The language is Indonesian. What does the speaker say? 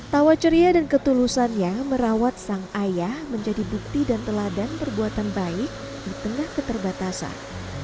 tawa ceria dan ketulusannya merawat sang ayah menjadi bukti dan teladan perbuatan baik di tengah keterbatasan